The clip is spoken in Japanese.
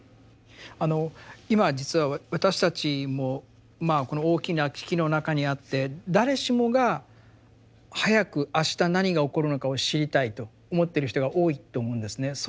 あの今実は私たちもこの大きな危機の中にあって誰しもが早くあした何が起こるのかを知りたいと思ってる人が多いと思うんですね。